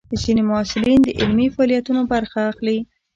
ځینې محصلین د علمي فعالیتونو برخه اخلي.